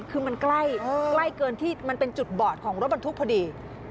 คือมันใกล้เกินที่มันเป็นจุดบอดของรถบรรทุกพอดี